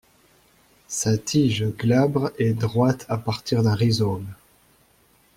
Sa tige glabre est droite à partir d'un rhizome.